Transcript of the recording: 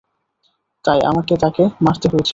তাই আমাকে তাকে মারতে হয়েছিল।